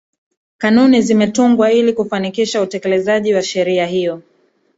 Kanuni zimetungwa ili kufanikisha utekelezaji wa sheria hiyo